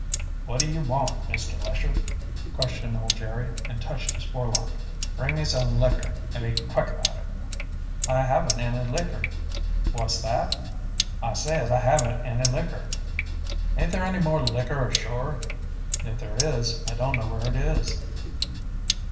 "What do you want, Mr. Lesher?" questioned old Jerry, and touched his forelock. "Bring me some liquor, and be quick about it." "I haven't any liquor." "What's that?" "I said I haven't any liquor." "Aint there any more liquor ashore?" "If there is, I don't know where it is."